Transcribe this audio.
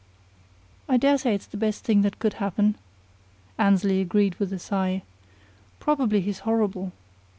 "I dare say it's the best thing that could happen," Annesley agreed with a sigh. "Probably he's horrible.